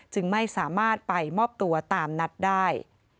จึงไม่สามารถไปมอบตัวตามนัดได้